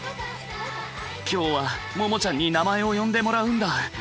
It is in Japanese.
今日はＭＯＭＯちゃんに名前を呼んでもらうんだ！